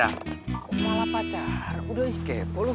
aku malah pacar udah kepo loh